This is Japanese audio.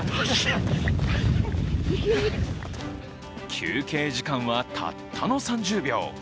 休憩時間はたったの３０秒。